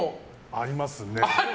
ありますね。